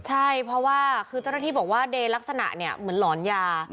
ใช่เพราะว่าคือเจ้าหน้าที่บอกว่าเดย์ลักษณะเนี่ยเหมือนหลอนยา